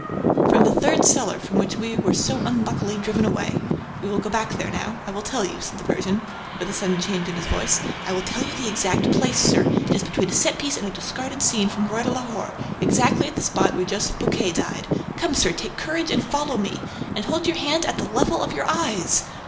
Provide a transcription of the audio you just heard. "From the third cellar, from which we were so unluckily driven away. We will go back there now ... I will tell you," said the Persian, with a sudden change in his voice, "I will tell you the exact place, sir: it is between a set piece and a discarded scene from ROI DE LAHORE, exactly at the spot where Joseph Buquet died... Come, sir, take courage and follow me! And hold your hand at the level of your eyes!